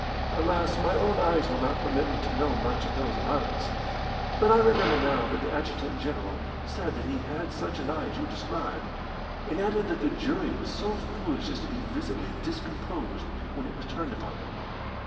"Alas, my own eyes will not permit me to know much of those of others! But I remember now that the adjutant general said that he had such an eye as you describe, and added that the jury was so foolish as to be visibly discomposed when it was turned upon them.